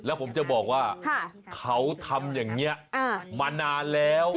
แล้วผมจะบอกว่าเขาทำอย่างนี้มานานแล้ว